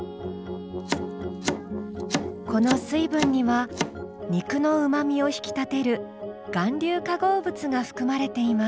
この水分には肉のうまみを引き立てる含硫化合物が含まれています。